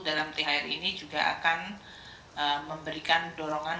saya berharap untuk dalam thr ini juga akan memberikan dorongan